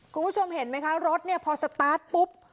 คุณผู้ชมเห็นไหมคะรถเนี่ยพอสตาร์ทปุ๊บ